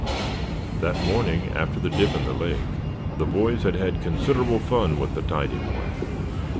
That morning, after the dip in the lake, the boys had had considerable fun with the tidy one.